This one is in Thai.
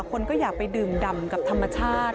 คนก็อยากไปดื่มดำกับธรรมชาติ